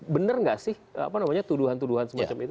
bener nggak sih tuduhan tuduhan semacam itu